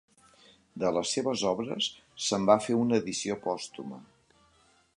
De les seves obres se'n va fer una edició pòstuma.